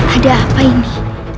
ada apa ini